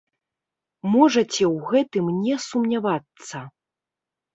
Можаце ў гэтым не сумнявацца.